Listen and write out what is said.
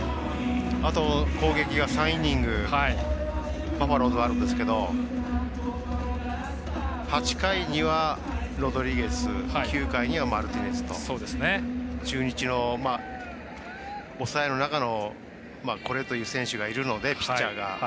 あと攻撃が３イニングバファローズはあるんですけど８回にはロドリゲス９回にはマルティネスと中日の抑えの中のこれという選手がいるのでピッチャーが。